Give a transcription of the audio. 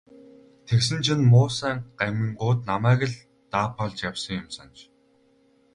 Тэгсэн чинь муусайн гамингууд намайг л даапаалж явсан юм санж.